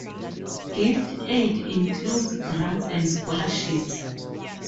Gift aid includes grants and scholarships.